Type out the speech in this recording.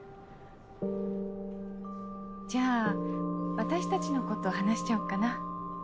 じゃあ私たちのこと話しちゃおっかな。